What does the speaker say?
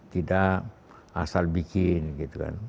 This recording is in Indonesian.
tidak asal bikin gitu kan